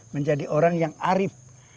menjadi orang yang arif